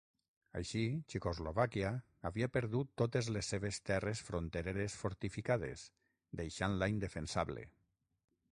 Així, Txecoslovàquia havia perdut totes les seves terres frontereres fortificades deixant-la indefensable.